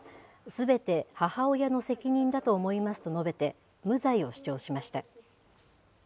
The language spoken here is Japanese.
すべて母親の責任だと思いますと述べて、無罪を主張しました。